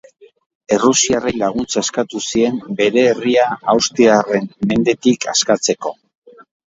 Errusiarrei laguntza eskatu zien bere herria austriarren mendetik askatzeko.